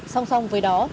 song song với đó